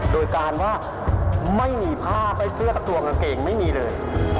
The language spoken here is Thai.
โดยการว่าไม่มีผ้าไม่เสื้อกับตัวกางเกงไม่มีเลย